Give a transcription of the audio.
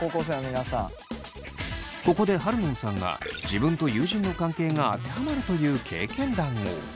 ここでハルノンさんが自分と友人の関係が当てはまるという経験談を。